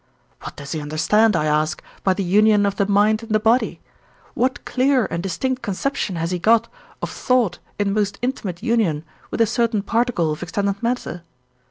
What does he understand, I ask, by the union of the mind and the body? What clear and distinct conception has he got of thought in most intimate union with a certain particle of extended matter?